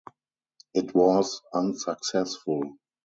It was unsuccessful.